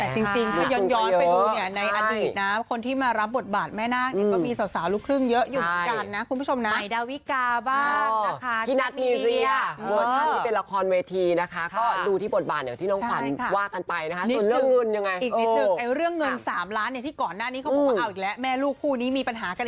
ก็ก็เกิดคนที่ได้มาเอาเงินมาหมุนธุรกิจก่อนเค้ามีธุรกิจหลายอย่าง